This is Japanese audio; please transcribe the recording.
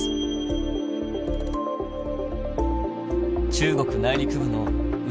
中国内陸部の内